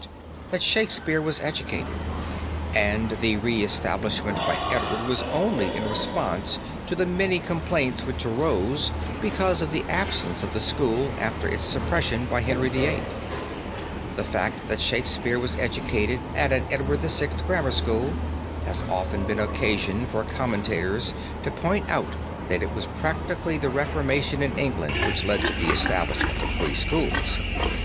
that Shakespeare was educated, and the reestablishment by Edward was only in response to the many complaints which arose because of the absence of the school after its suppression by Henry VIII. The fact that Shakespeare was educated at an Edward VI. grammar school, has often given occasion for commentators to point out that it was practically the Reformation in England which led to the establishment of free schools.